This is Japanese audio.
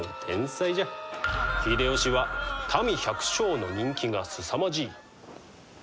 秀吉は民百姓の人気がすさまじい。